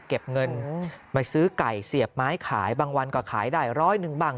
เก็บเงินมาซื้อไก่เสียบไม้ขายบางวันก็ขายได้ร้อยหนึ่งบ้าง